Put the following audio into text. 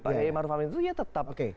pak e maruf amin itu ya tetap